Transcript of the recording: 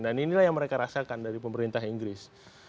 dan inilah yang mereka rasakan dari pemerintah inggris